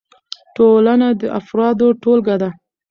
ټولنه د افرادو ټولګه ده.